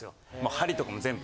梁とかも全部。